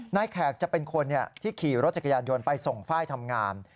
แขกจะเป็นคนที่ขี่รถจักรยานยนต์ไปส่งฝ้ายทำงาน